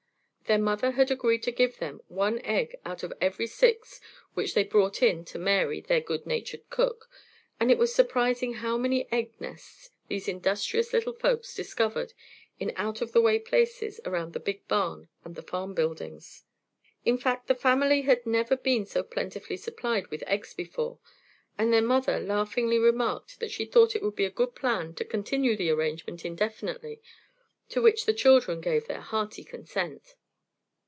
Their mother had agreed to give them one egg out of every six which they brought in to Mary, their good natured cook, and it was surprising how many egg nests these industrious little folks discovered in out of the way places around the big barn and the farm buildings. In fact the family had never been so plentifully supplied with eggs before, and their mother laughingly remarked that she thought it would be a good plan to continue the arrangement indefinitely, to which the children gave their hearty consent.